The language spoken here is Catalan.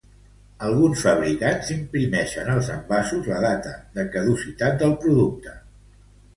Alguns fabricants imprimixen als envasos la data de caducitat del producte.